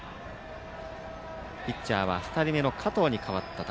ピッチャーは２人目の加藤にかわった。